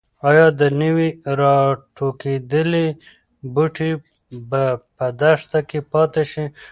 ایا د نوي راټوکېدلي بوټي به په دښته کې پاتې شي؟